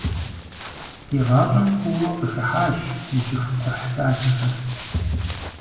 Ди гъащӏэм куууэ къыхыхьащ жьыхукхъухьлъатэхэр.